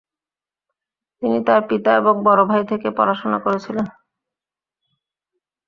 তিনি তাঁর পিতা এবং বড় ভাই থেকে পড়াশোনা করেছিলেন।